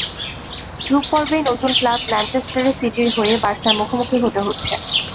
Group পর্বেই নতুন club Manchester সিটির হয়ে বার্সার মুখোমুখি হতে হচ্ছে।